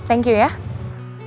oke ya udah ya